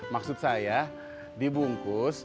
maksud saya dibungkus